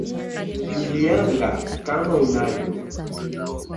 Nilyanga kama unayo